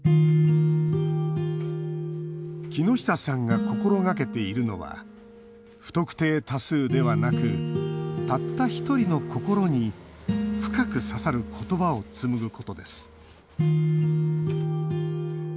木下さんが心がけているのは不特定多数ではなくたった一人の心に深く刺さる言葉を紡ぐことです